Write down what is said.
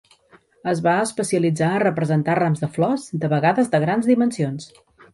Es va especialitzar a representar rams de flors, de vegades de grans dimensions.